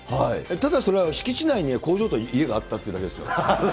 ただそれは敷地内に工場と家があったっていうだけですよ。